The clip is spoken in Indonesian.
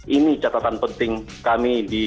ini catatan penting kami di